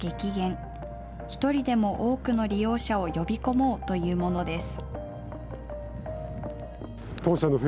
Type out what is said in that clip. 一人でも多くの利用者を呼び込もうというものです。